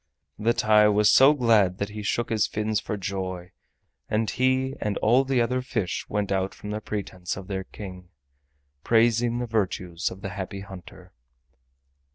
The TAI was so glad that he shook his fins for joy, and he and all the other fish went out from the presence of their King, praising the virtues of the Happy Hunter.